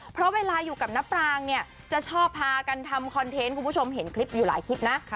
เพราะเวลาอยู่กับน้าปรางเนี่ยจะชอบพากันทำคอนเทนต์คุณผู้ชมเห็นคลิปอยู่หลายคลิปนะ